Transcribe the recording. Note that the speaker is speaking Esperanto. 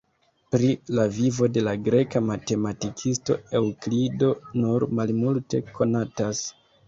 Pri la vivo de la greka matematikisto Eŭklido nur malmulte konatas.